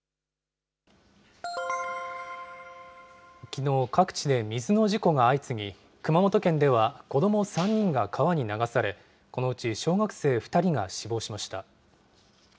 きのう、各地で水の事故が相次ぎ、熊本県では子ども３人が川に流され、このうち小学生２人が死亡しました。